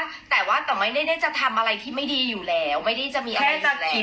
แต่ว่าแต่ว่าแต่ไม่ได้ได้จะทำอะไรที่ไม่ดีอยู่แล้วไม่ได้จะมีอะไรอยู่แล้ว